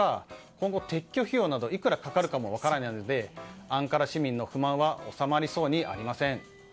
今後、撤去費用などいくらかかるかも分からないのでアンカラ市民の不満は収まりそうにありません。